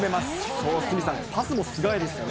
そう、鷲見さん、パスもすごいですよね。